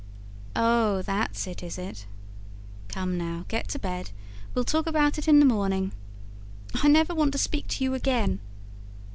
"Oh, that's it, is it? Come now, get to bed. We'll talk about it in the morning." "I never want to speak to you again."